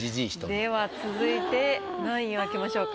では続いて何位を開けましょうか？